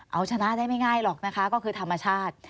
เอาชนะได้ไม่ง่ายหรอกนะคะก็คือธรรมชาติ